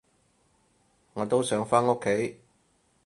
我都想返屋企